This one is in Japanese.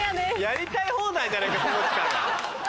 やりたい放題じゃないか友近が。